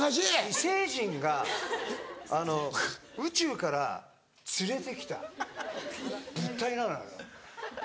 異星人があの宇宙から連れてきた物体なのよ。